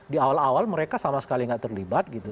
di awal awal mereka sama sekali nggak terlibat gitu